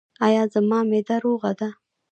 ایا زما معده روغه ده؟